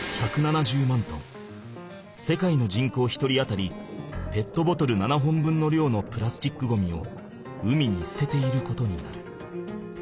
世界の人口１人当たりペットボトル７本分のりょうのプラスチックゴミを海にすてていることになる。